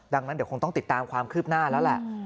ดังนั้นเดี๋ยวคงต้องติดตามความคืบหน้าแล้วแหละ